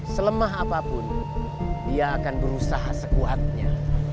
selemah apapun dia akan berusaha sekuatnya